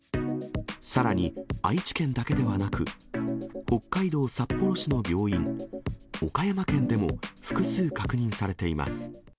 さらに、愛知県だけではなく、北海道札幌市の病院、岡山県でも複数確認されています。